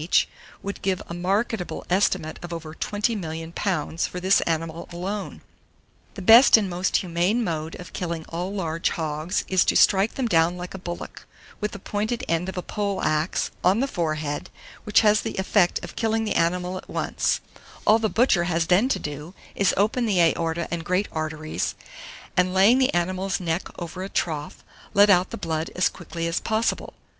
each, would give a marketable estimate of over £20,000,000 for this animal alone. 790. THE BEST AND MOST HUMANE MODE OF KILLING ALL LARGE HOGS is to strike them down like a bullock, with the pointed end of a poleaxe, on the forehead, which has the effect of killing the animal at once; all the butcher has then to do, is to open the aorta and great arteries, and laying the animal's neck over a trough, let out the blood as quickly as possible.